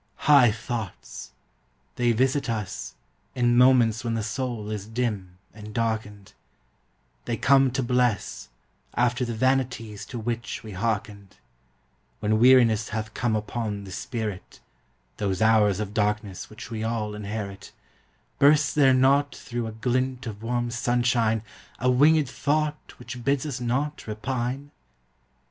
High thoughts! They visit us In moments when the soul is dim and darkened; They come to bless, After the vanities to which we hearkened: When weariness hath come upon the spirit (Those hours of darkness which we all inherit) Bursts there not through a glint of warm sunshine, A wingèd thought which bids us not repine?